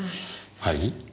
はい？